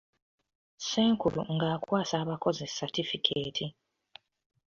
Ssenkulu ng'akwasa abakozi satifikeeti.